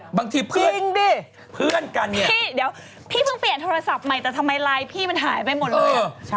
จริงดิพี่เดี๋ยวพี่เพิ่งเปลี่ยนโทรศัพท์ใหม่แต่ทำไมไลน์พี่มันหายไปหมดเลย